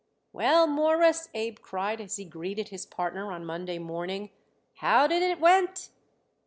"Well, Mawruss," Abe cried as he greeted his partner on Monday morning, "how did it went?"